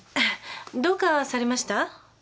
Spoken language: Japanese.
どうかされました？